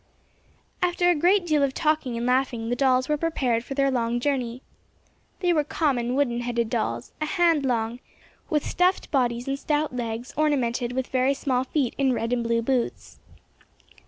After a great deal of talking and laughing, the dolls were prepared for the long journey. They were common wooden headed dollies, a hand long, with stuffed bodies and stout legs ornamented with very small feet in red and blue boots.